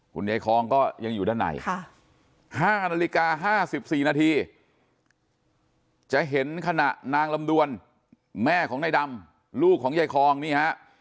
คุณยายคองก็ยังอยู่ด้านใน๕นาฬิกา๕๔นาทีจะเห็นขณะนางลำดวนแม่ของนายดำลูกของยายคองนี่ฮะ